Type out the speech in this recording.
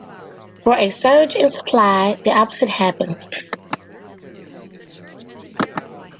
For a surge in supply, the opposite happens.